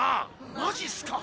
マジっすか。